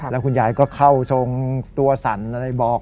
แล้วคุณยายก็เข้าทรงตัวสั่นอะไรบอก